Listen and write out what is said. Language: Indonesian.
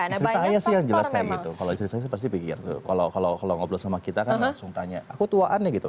istri saya sih yang jelas kayak gitu kalau istri saya pasti pikir tuh kalau ngobrol sama kita kan langsung tanya aku tuaannya gitu